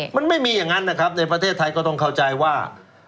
มันไม่มีอย่างนั้นนะครับในประเทศไทยก็ต้องเข้าใจว่า